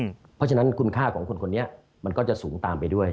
เพราะฉะนั้นคุณค่าของคนคนนี้มันก็จะสูงตามไปด้วย